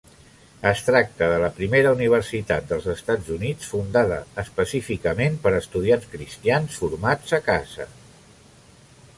Es tracta del primera universitat dels Estats Units fundada específicament per a estudiants cristians formats a casa.